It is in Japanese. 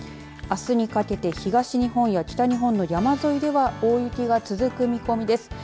あすにかけて、東日本や北日本の山沿いでは大雪が続く見込みです。